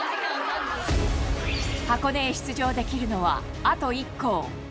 箱根へ出場できるのは、あと１校。